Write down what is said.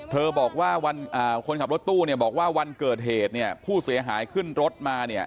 เธอบอกว่าคนขับรถตู้บอกว่าวันเกิดเหตุผู้เสียหายขึ้นรถมา